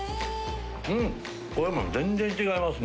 これも全然違います